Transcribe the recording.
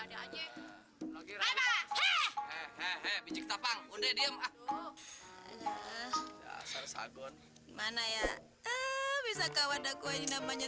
jangan lupa like share dan subscribe ya